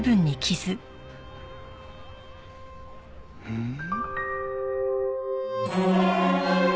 うん？